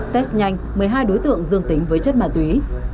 test nhanh một mươi hai đối tượng dương tính với chất ma túy